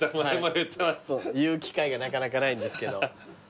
言う機会がなかなかないんですけど。